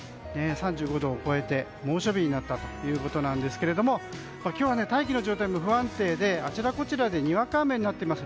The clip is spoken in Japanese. ３５度を超えて猛暑日になったということですが今日は大気の状態も不安定であちらこちらでにわか雨になっています。